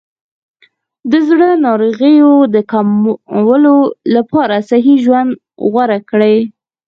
د زړه ناروغیو د کمولو لپاره صحي ژوند غوره کړئ.